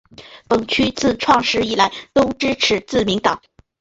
本区自创设以来都支持自民党。